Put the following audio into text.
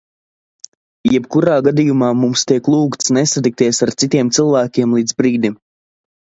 Jebkurā gadījumā, mums tiek lūgts nesatikties ar citiem cilvēkiem līdz brīdim.